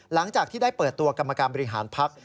หลังจากที่ได้เปิดตัวกรรมการบริหารพัก